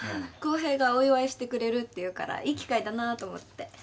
公平がお祝いしてくれるっていうからいい機会だなと思って。